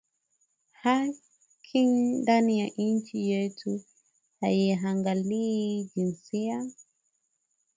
Haki ndani ya inchi yetu aiangalie jinsia